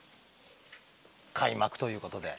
開幕ということで。